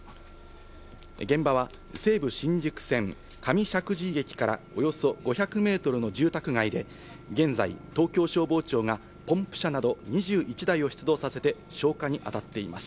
現場は西武新宿線・上石神井駅からおよそ５００ｍの住宅街で、現在、東京消防庁がポンプ車など２１台を出動させて消火にあたっています。